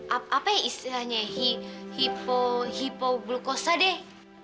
apa ya istilahnya hipoglukosa deh